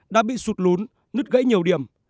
đã bị sụt lún nứt gãy nhiều điểm